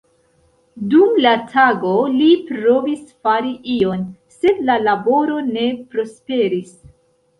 Dum la tago li provis fari ion, sed la laboro ne prosperis.